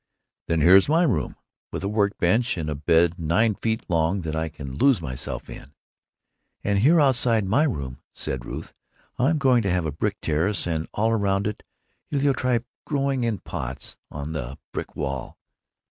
"Then here's my room, with a work bench and a bed nine feet long that I can lose myself in." "Then here outside my room," said Ruth, "I'm going to have a brick terrace, and all around it heliotrope growing in pots on the brick wall."